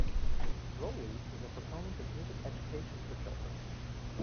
Rolie is a proponent of music education for children.